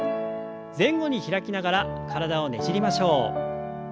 前後に開きながら体をねじりましょう。